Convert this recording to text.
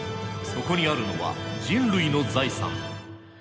そこにあるのは人類の財産。